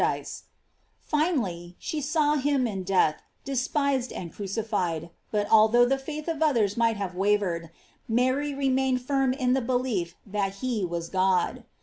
617 Finally, she saw him in death, despised and crucified, but although the faith of others might have wavered, Mary remained firm in th« belief that he was God.